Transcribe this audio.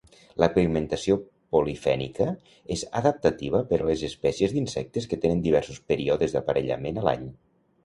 La pigmentació polifènica és adaptativa per a les espècies d'insectes que tenen diversos períodes d'aparellament a l'any.